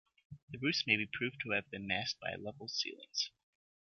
The roofs may be proved to have been masked by level ceilings.